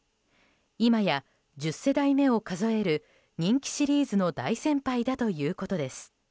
今や１０代目を数える人気シリーズの大先輩だということです。